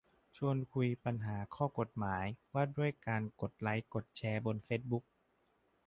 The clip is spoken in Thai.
ชวนคุยปัญหาข้อกฎหมายว่าด้วยการกดไลค์กดแชร์บนเฟซบุ๊ก